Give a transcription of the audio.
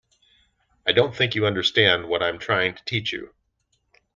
I don't think you understand what I'm trying to teach you.